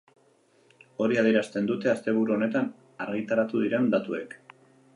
Hori adierazten dute asteburu honetan argitaratu diren datuek.